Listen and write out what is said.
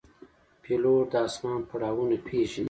پیلوټ د آسمان پړاوونه پېژني.